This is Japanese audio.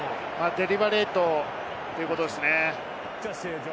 デリバレイトということですね。